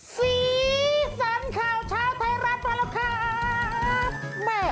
สีสันข่าวเช้าไทยรัฐมาแล้วครับ